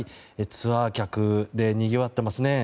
ツアー客でにぎわっていますね。